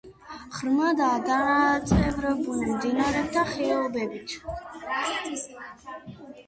ღრმადაა დანაწევრებული მდინარეთა ხეობებით.